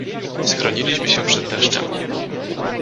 Schroniliśmy się przed deszczem.